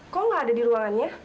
tunggu sebentar ya